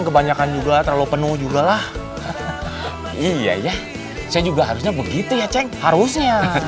kebanyakan juga terlalu penuh juga lah iya saya juga harusnya begitu ya ceng harusnya